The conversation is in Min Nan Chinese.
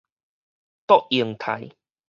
卓榮泰